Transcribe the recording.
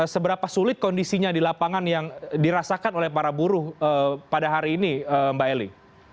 seberapa sulit kondisinya di lapangan yang dirasakan oleh para buruh pada hari ini mbak eli